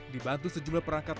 dibantu sejumlah perangkat